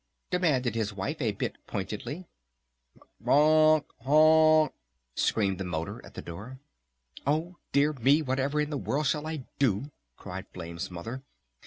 demanded his wife a bit pointedly. "Honk honk!" screamed the motor at the door. "Oh, dear me, whatever in the world shall I do?" cried Flame's Mother.